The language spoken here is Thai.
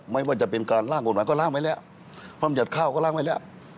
ไม่ว่าจะเป็นการล่างกฎหมายก็ล้างไว้แล้วพร่ำยัติข้าวก็ล้างไว้แล้ว